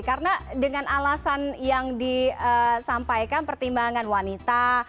karena dengan alasan yang disampaikan pertimbangan wanita